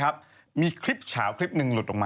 กลับมามีคลิปเผาคนหนึ่งหลุดลงมานะครับ